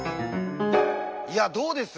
いやどうです？